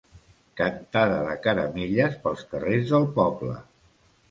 Cantada de caramelles pels carrers del poble.